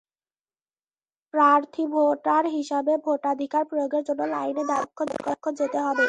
প্রার্থী ভোটার হিসেবে ভোটাধিকার প্রয়োগের জন্য লাইনে দাঁড়িয়ে ভোটকক্ষে যেতে পারবেন।